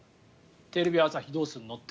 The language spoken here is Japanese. テレビ朝日、どうするの？って。